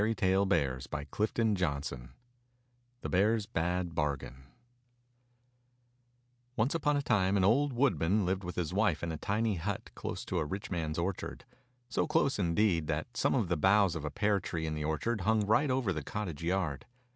THE BEAR'S BAD BARGAIN >>>) 5 THE BEAR'S BAD BARGAIN O NCE upon a time an old woodman lived with his wife in a tiny hut close to a rich man's orchard — so close, indeed, that some of the boughs of a pear tree in the orchard hung right over the cottage yard.